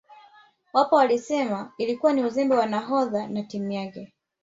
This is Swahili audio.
Wapo waliosema ilikuwa ni uzembe wa nahodha na timu yake